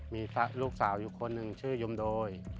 มีลูกสาวอยู่คนหนึ่งชื่อยมโดย